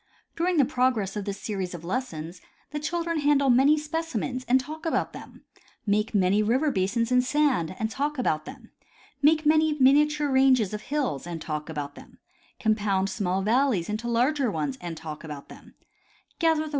During the progress of this series of lessons the children handle many specimens and talk about them ; make many river basins in sand and talk about them; make many miniature ranges of hills and talk about them ; compound small valleys into larger ones and talk about them ; gather the.